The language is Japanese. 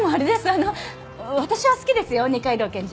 あの私は好きですよ二階堂検事。